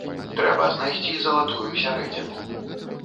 Трэба знайсці залатую сярэдзіну.